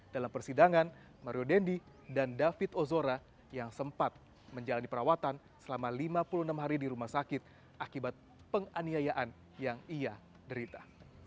dalam persidangan mario dendi dan david ozora yang sempat menjalani perawatan selama lima puluh enam hari di rumah sakit akibat penganiayaan yang ia derita